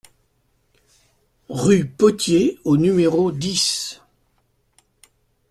Rue Potier au numéro dix